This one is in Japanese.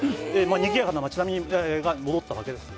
にぎやかな街並みが戻ったわけです。